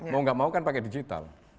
mau gak mau kan pakai digital